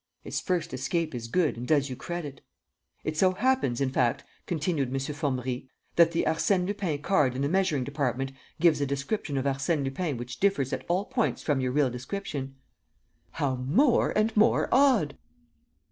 "'His first escape' is good, and does you credit." "It so happens, in fact," continued M. Formerie, "that the Arsène Lupin card in the measuring department gives a description of Arsène Lupin which differs at all points from your real description." "How more and more odd!"